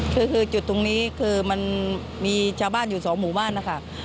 คือจุดตรงนี้คือมันมีชาวบ้านอยู่สองหมู่บ้านนะคะ